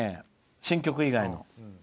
新曲以外の。